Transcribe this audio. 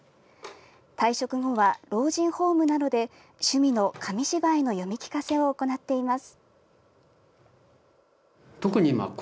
退職後は、老人ホームなどで趣味の紙芝居の読み聞かせを行っています。